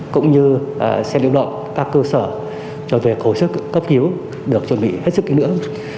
cũng như xe liệu động các cơ sở cho về khẩu sức cấp cứu được chuẩn bị hết sức kinh nữa